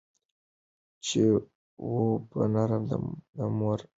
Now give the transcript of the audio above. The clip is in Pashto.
چي وو به نرم د مور تر غېږي